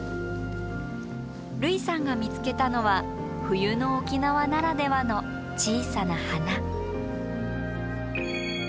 類さんが見つけたのは冬の沖縄ならではの小さな花。